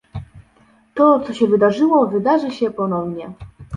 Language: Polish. To, co się wydarzyło, wydarzy się ponownie